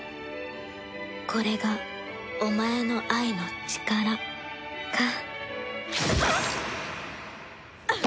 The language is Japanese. これがお前の愛の力かうっ！